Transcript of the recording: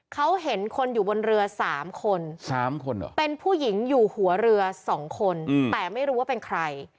เขาเห็นคนอยู่บนเรือ๓คน๓คนเหรอเป็นผู้หญิงอยู่หัวเรือ๒คนแต่ไม่รู้ว่าเป็นใคร